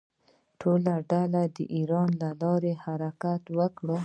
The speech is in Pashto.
ټولې ډلې د ایران له لارې حرکت وکړ.